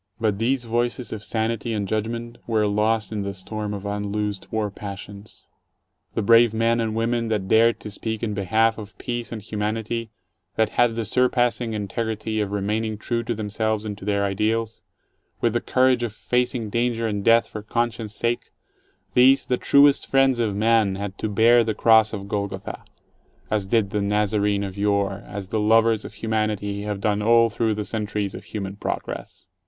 But these voices of sanity and judgment were lost in the storm of unloosed war passions. The brave men and women that dared to speak in behalf of peace and humanity, that had the surpassing integrity of remaining true to themselves and to their ideals, with the courage of facing danger and death for conscience sake — these, the truest friends of Man, had to bear the cross of Golgotha, as did the Nazarene of yore, as the lovers of humanity have done all through the centuries of human progress.